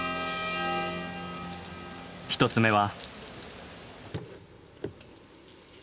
１つ目は。